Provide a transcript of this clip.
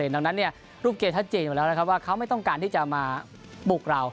ดังนั้นรูปเกมชัดเจนอยู่แล้วนะครับว่าเขาไม่ต้องการที่จะมาบุกเรา